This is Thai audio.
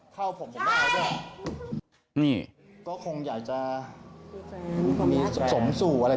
คุณเอกของคุณ